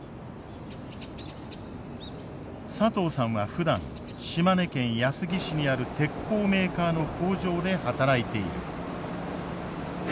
佐藤さんはふだん島根県安来市にある鉄鋼メーカーの工場で働いている。